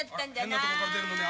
変なとこから出るのね